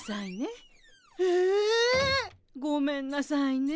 ごめんなさいね。